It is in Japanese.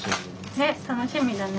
ね楽しみだね。